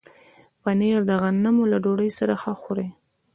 پنېر د غنمو له ډوډۍ سره ښه خوري.